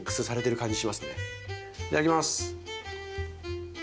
いただきます。